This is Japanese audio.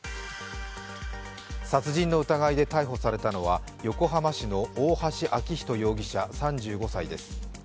殺人の疑いで逮捕されたのは横浜市の大橋昭仁容疑者３５歳です。